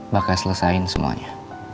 bakal selesain semuanya